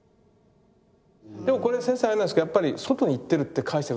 でもこれ先生あれなんですかやっぱり外に行ってるって解釈ですか？